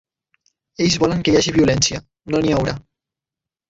Ells volen que hi hagi violència; no n’hi haurà.